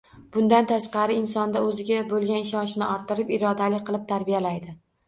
Bundan tashqari, insonda o‘ziga bo‘lgan ishonchni orttirib, irodali qilib tarbiyalaydi